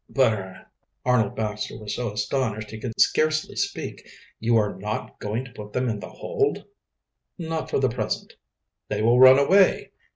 "But er " Arnold Baxter was so astonished he could scarcely speak. "You are not going to put them in the hold?" "Not for the present." "They will run away."